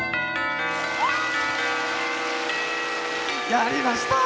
やりました！